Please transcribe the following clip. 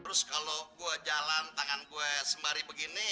terus kalau gue jalan tangan gue sembari begini